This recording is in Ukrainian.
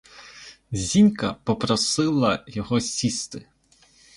Зінька попросила його сісти.